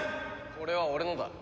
これは俺のだ。